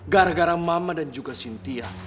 karena bella dan juga mama sintia